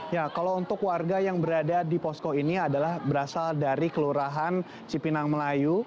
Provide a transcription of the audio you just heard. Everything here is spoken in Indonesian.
ya kalau untuk warga yang berada di posko ini adalah berasal dari kelurahan cipinang melayu